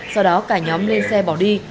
sau đó cả nhóm lên xe bỏ đi